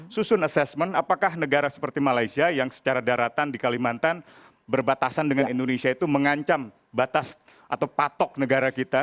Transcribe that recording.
susun assessment apakah negara seperti malaysia yang secara daratan di kalimantan berbatasan dengan indonesia itu mengancam batas atau patok negara kita